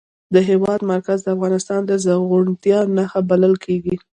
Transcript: د هېواد مرکز د افغانستان د زرغونتیا نښه بلل کېږي.